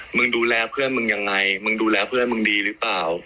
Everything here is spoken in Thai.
มึงดูแลเพื่อนมึงยังไงมึงดูแลเพื่อนมึงดีหรือเปล่า